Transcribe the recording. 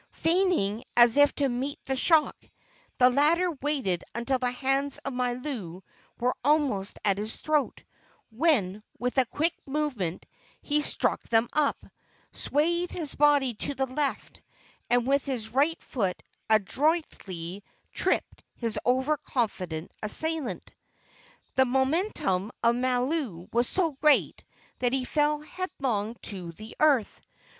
Feigning as if to meet the shock, the latter waited until the hands of Mailou were almost at his throat, when with a quick movement he struck them up, swayed his body to the left, and with his right foot adroitly tripped his over confident assailant. The momentum of Mailou was so great that he fell headlong to the earth.